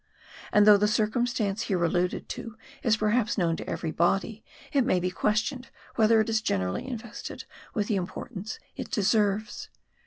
And though the circumstance here alluded to is perhaps known to every body, it may be questioned, whether it is generally invested with the importance it deserves.